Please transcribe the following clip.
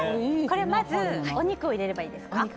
まず、お肉を入れればいいですか。